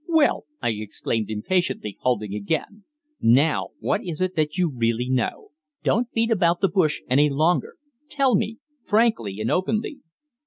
"Well," I exclaimed impatiently, halting again, "now, what is it that you really know? Don't beat about the bush any longer. Tell me, frankly and openly."